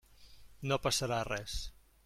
No passarà res.